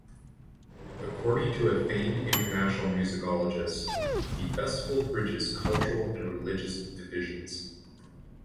According to a famed international musicologist, the Festival bridges cultural and religious divisions.